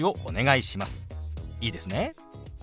いいですね？